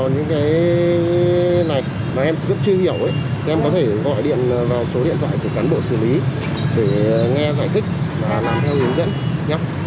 vào những cái này mà em chưa hiểu ấy em có thể gọi điện vào số điện thoại của cán bộ xử lý để nghe giải thích và làm theo hướng dẫn nhé